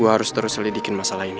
gue harus terus selidikin masalah ini